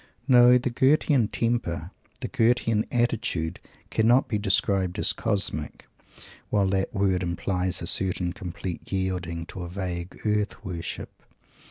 No; the Goethean temper, the Goethean attitude, cannot be described as "cosmic," while that word implies a certain complete yielding to a vague earth worship.